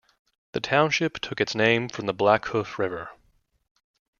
The township took its name from the Blackhoof River.